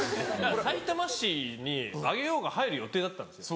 さいたま市に上尾が入る予定だったんですよ。